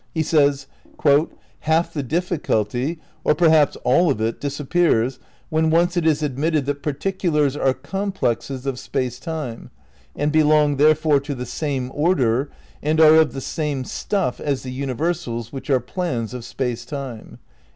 He says: "Half the difficulty, or perhaps all of it disappears when once it is admitted that particulars are complexes of Space Time and belong therefore to the same order and are of the same stuff as the universals which are plans of "Space Time."